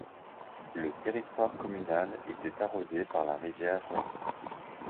Le territoire communal était arrosé par la rivière Renon.